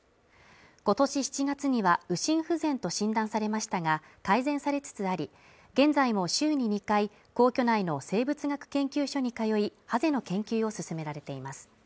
今年７月には右心不全と診断されましたが改善されつつあり現在も週に２回皇居内の生物学研究所に通いハゼの研究を進められています